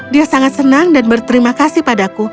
dia sangat senang dan berterima kasih padaku